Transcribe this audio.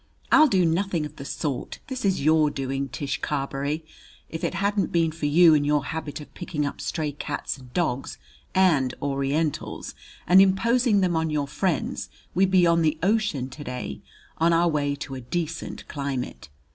"I'll do nothing of the sort! This is your doing, Tish Carberry. If it hadn't been for you and your habit of picking up stray cats and dogs and Orientals and imposing them on your friends we'd be on the ocean to day, on our way to a decent climate.